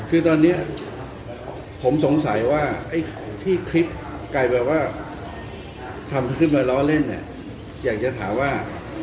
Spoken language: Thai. คือตอนนี้ผมสงสัยว่าไอ้ที่คลิปกลายเป็นว่าทำขึ้นมาล้อเล่นเนี่ยอยากจะถามว่า